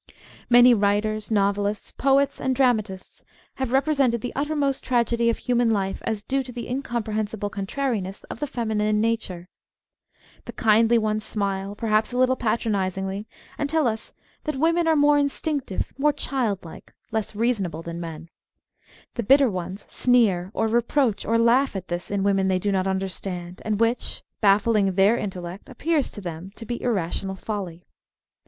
Many writers, novelists, poets and dramatists have represented the uttermost tragedy of human life as due to the incomprehensible contrariness of the femi nine nature. The kindly ones smile, perhaps a little patronisingly, and tell us that women are more instinc tive, more child like, less reasonable than men. The bitter ones snee"r or reproach or laugh at this in women they do not understand, and which, baffling their intellect, appears to them to be irrational folly.